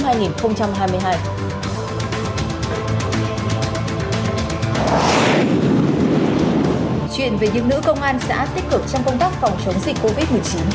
chuyện về những nữ công an xã tích cực trong công tác phòng chống dịch covid một mươi chín